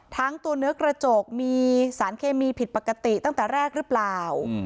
ทั้งตัวเนื้อกระจกมีสารเคมีผิดปกติตั้งแต่แรกหรือเปล่า